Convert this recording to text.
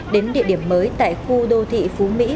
đến địa điểm mới tại khu đô thị phú mỹ